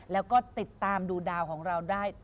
แล้วก็ติดตามดูดาวของเราได้